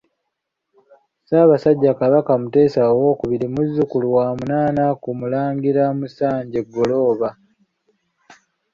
Ssaabasajja Kabaka Mutesa II, muzzukulu wa munaana ku Mulangira Musanje Ggolooba.